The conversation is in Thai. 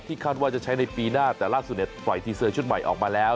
คาดว่าจะใช้ในปีหน้าแต่ล่าสุดปล่อยทีเซอร์ชุดใหม่ออกมาแล้ว